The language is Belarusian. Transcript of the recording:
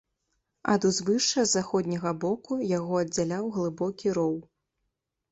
Ад узвышша з заходняга боку яго аддзяляў глыбокі роў.